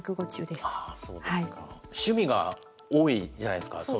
あそうですか。趣味が多いじゃないですか。